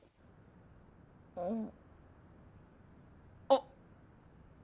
あっ。